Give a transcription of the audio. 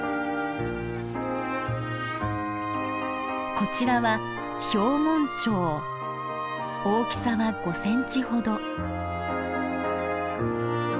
こちらは大きさは５センチほど。